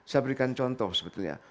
saya berikan contoh sebetulnya